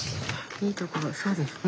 いいところそうですね。